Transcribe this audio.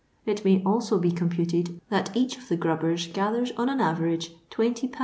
It may also be computed ftt each of the grubben sathers on an aTerage 20 lbs.